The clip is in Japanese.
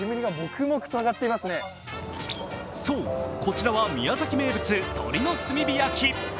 そう、こちらは宮崎名物鶏の炭火焼き。